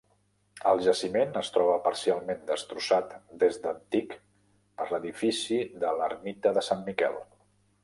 El jaciment es troba parcialment destrossat des d'antic per l'edifici de l'ermita de Sant Miquel.